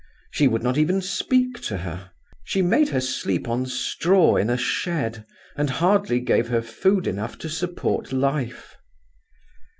She would not even speak to her. She made her sleep on straw in a shed, and hardly gave her food enough to support life.